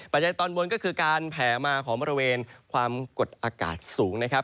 ตอนบนก็คือการแผ่มาของบริเวณความกดอากาศสูงนะครับ